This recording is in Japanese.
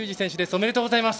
おめでとうございます！